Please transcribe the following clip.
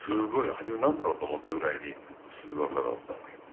初め何だろうと思ったぐらいに星空だったわけ。